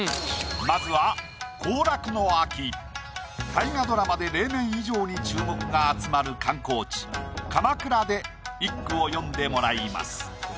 まずは大河ドラマで例年以上に注目が集まる観光地鎌倉で一句を詠んでもらいます。